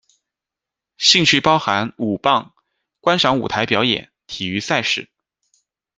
兴趣包含舞棒、观赏舞台表演、体育赛事。